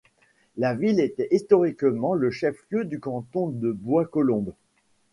La ville était historiquement le chef-lieu du canton de Bois-Colombes.